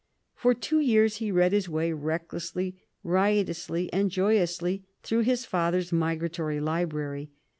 For two years he read his way recklessly, riotously, and joyously through his father's migratory library.